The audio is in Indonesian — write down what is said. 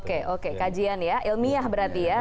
kajian ya ilmiah berarti ya